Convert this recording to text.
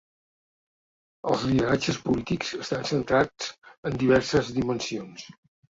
Els lideratges polítics estan centrats en diverses dimensions.